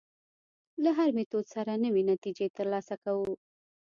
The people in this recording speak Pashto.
له هر میتود سره نوې نتیجې تر لاسه کوو.